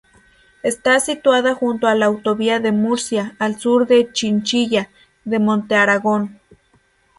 Está situada junto a la autovía de Murcia, al sur de Chinchilla de Montearagón.